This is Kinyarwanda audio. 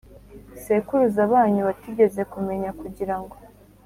Sekuruza banyu batigeze kumenya kugira ngo